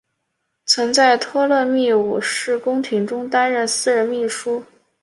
曾在托勒密五世宫廷中担任私人秘书。